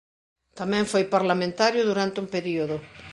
Tamén foi parlamentario durante un período.